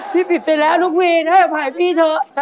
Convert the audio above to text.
พี่ปิดไปแล้วนกวีทให้อภัยพี่เถอะ